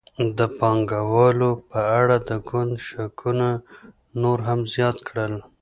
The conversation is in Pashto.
د پانګوالو په اړه د ګوند شکونه نور هم زیات کړل.